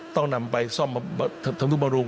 ต้องนำไปซ่อมทำนุบำรุง